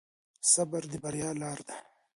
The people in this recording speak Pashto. صبر د بريا لاره ده.